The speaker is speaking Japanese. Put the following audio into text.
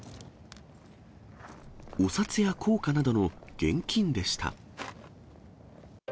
お札や硬貨などの現金でした。